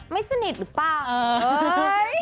ไม่สนิทหรือเปล่า